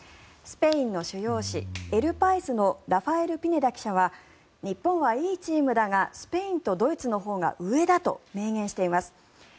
スペインの主要紙エル・パイスのラファエル・ピネダ記者は日本はいいチームだがスペインとドイツのほうが上だと明言しています。